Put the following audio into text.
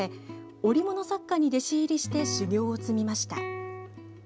織物作家に弟子入りして修業を積みました。